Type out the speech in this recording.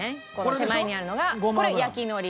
手前にあるのがこれ焼き海苔。